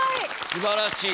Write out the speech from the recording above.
すばらしい。